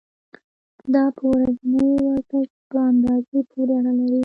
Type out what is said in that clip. دا په ورځني ورزش په اندازې پورې اړه لري.